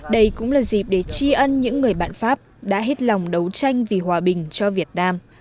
đây cũng là dịp để tri ân những người bạn pháp đã hết lòng đấu tranh vì hòa bình cho việt nam